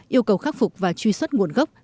yêu cầu khắc phục và truy xuất nguồn gốc